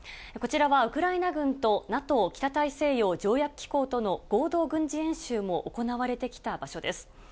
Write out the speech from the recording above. こちらはウクライナ軍とＮＡＴＯ・北大西洋条約機構との合同軍事演習も行われてきた場所です。